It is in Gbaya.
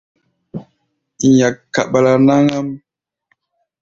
Nyak kaɓala náŋ-ám.